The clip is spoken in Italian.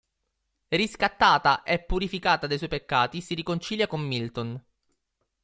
Riscattata e purificata dai suoi peccati, si riconcilia con Milton.